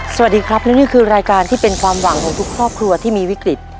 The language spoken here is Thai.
สวัสดีครับและนี่คือรายการที่เป็นความหวังของทุกครอบครัวที่มีวิกฤต